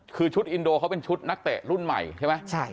คือชุดอินโดเขาเป็นชุดนักเตะรุ่นใหม่ใช่ไหม